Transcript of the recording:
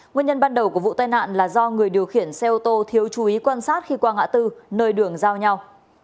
nguyên nhân ban đầu của vụ tai nạn là do người điều khiển xe ô tô thiếu chú ý quan sát khi qua ngã tư nơi đường giao nhau